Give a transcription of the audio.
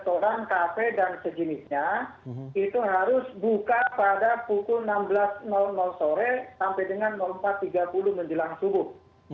restoran kafe dan sejenisnya itu harus buka pada pukul enam belas sore sampai dengan empat tiga puluh menjelang subuh